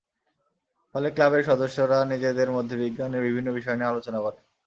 ফলে ক্লাবের সদস্যরা নিজেদের মধ্যে বিজ্ঞানের বিভিন্ন বিষয় নিয়ে আলোচনা করে।